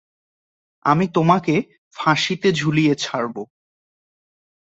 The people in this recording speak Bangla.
আমি তোমাকে ফাঁসিতে ঝুলিয়ে ছাড়ব!